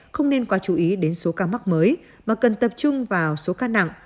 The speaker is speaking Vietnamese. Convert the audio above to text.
không nên quá chú ý đến số ca mắc mới mà cần tập trung vào số ca nặng